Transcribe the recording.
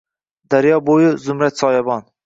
Daryo bo’yi — zumrad soyabon…